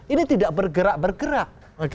ini tidak bergerak bergerak